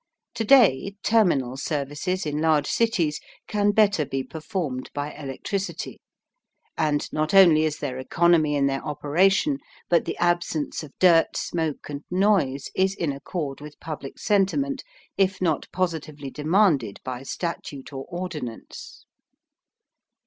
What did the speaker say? To day terminal services in large cities can better be performed by electricity, and not only is there economy in their operation, but the absence of dirt, smoke and noise is in accord with public sentiment if not positively demanded by statute or ordinance.